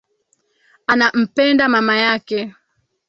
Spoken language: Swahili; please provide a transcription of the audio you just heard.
Anampenda mama yake.